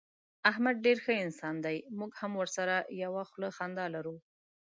احمد ډېر ښه انسان دی. موږ هم ورسره یوه خوله خندا لرو.